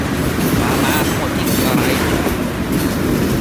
มา มา ทั้งหมดนี่คืออะไร